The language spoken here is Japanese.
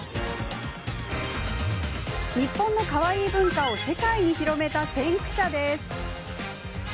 日本のＫＡＷＡＩＩ文化を世界に広めた先駆者です。